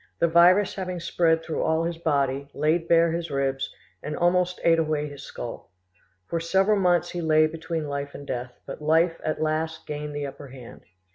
The virus having spread through all his body, laid bare his ribs, and almost ate away his skull. For several months he lay between life and death; but life at last gained the upper hand.